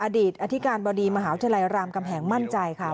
อดีตอธิการบดีมหาวิทยาลัยรามกำแหงมั่นใจค่ะ